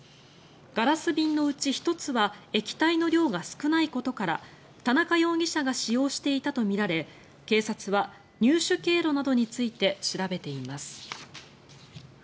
ガラス瓶のうち１つは液体の量が少ないことから田中容疑者が使用していたとみられ警察は入手経路などについて調べています。